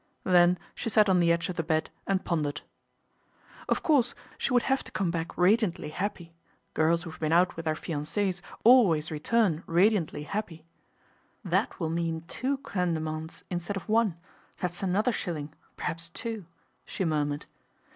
Then she sat on the edge of the bed and pondered. Of course she would have to come back radiantlv THE BONSOK TR1GGS' MENAGE 15 happy, girls who have been out with their fiance's always return radiantly happy. " That will mean two crimes de menthes instead of one, that's another shilling, perhaps two," she murmured.